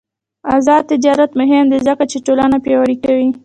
آزاد تجارت مهم دی ځکه چې ټولنه پیاوړې کوي.